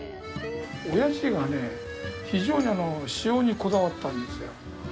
おやじがね、非常に塩にこだわったんですよ。